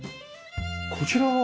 こちらは？